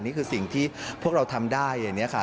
นี่คือสิ่งที่พวกเราทำได้อย่างนี้ค่ะ